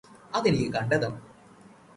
അതെനിക്ക് കണ്ടെത്തണം